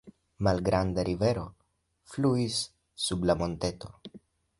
Malgranda rivero fluis sub la monteto.